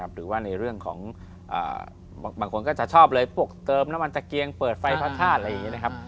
หรือว่าในเรื่องของบางคนก็จะชอบเลยพวกเติมน้ำมันตะเกียงเปิดไฟพระธาตุอะไรอย่างนี้นะครับ